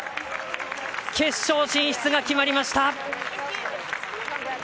決勝進出が決まりました！